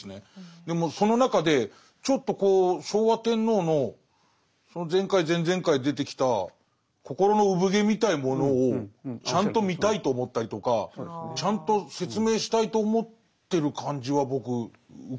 でもその中でちょっと昭和天皇の前回前々回出てきた「心の生ぶ毛」みたいなものをちゃんと見たいと思ったりとかちゃんと説明したいと思ってる感じは僕受けますね。